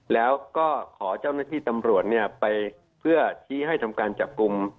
แล้วก็ขอเจ้าหน้าที่ตำรวจไปเพื่อชี้ให้ทำการจับกลุ่ม